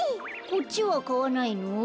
こっちはかわないの？